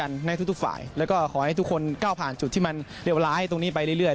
ในทุกทุกฝ่ายแล้วก็ขอให้ทุกคนก้าวผ่านจุดที่มันเลวร้ายตรงนี้ไปเรื่อย